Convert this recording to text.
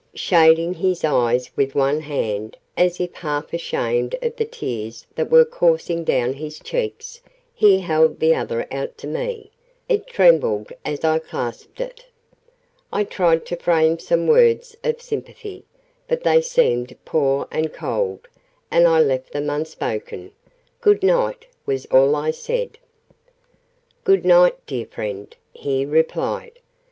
Shading his eyes with one hand, as if half ashamed of the tears that were coursing down his cheeks, he held the other out to me. It trembled as I clasped it. I tried to frame some words of sympathy; but they seemed poor and cold, and I left them unspoken. "Good night!" was all I said. "Good night, dear friend!" he replied.